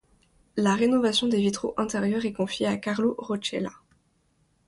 La rénovation des vitraux intérieurs est confiée à Carlo Roccella.